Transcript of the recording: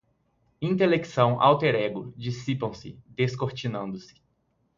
Intelecção, alter ego, dissipam-se, descortinando-se